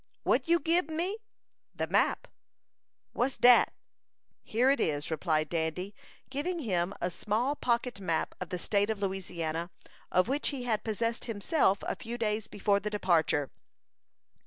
"What you gib me?" "The map." "What's dat?" "Here it is," replied Dandy, giving him a small pocket map of the State of Louisiana, of which he had possessed himself a few days before the departure.